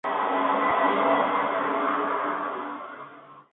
Hablando por supuesto de cultivo en secano.